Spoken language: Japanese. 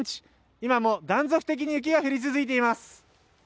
今も断続的に雪が降り続いています。